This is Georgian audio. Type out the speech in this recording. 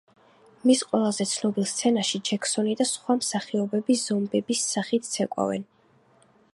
მის ყველაზე ცნობილ სცენაში ჯექსონი და სხვა მსახიობები ზომბების სახით ცეკვავენ.